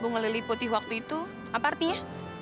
bu ngeliputi waktu itu apa artinya